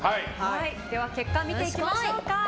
結果を見ていきましょう。